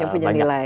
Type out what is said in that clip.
yang punya nilai